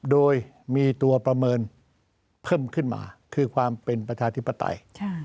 โดยมีตัวประเมินเพิ่มขึ้นมาคือความเป็นประชาธิปไตย